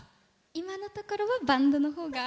今のところはバンドのほうが。